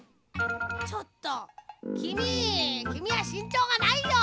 「ちょっときみきみはしんちょうがないよ！